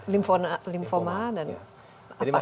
lymphoma dan apa persisnya